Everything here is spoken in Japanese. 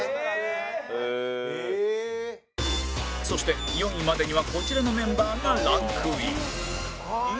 そして４位までにはこちらのメンバーがランクイン